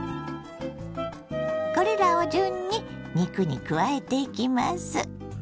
これらを順に肉に加えていきます。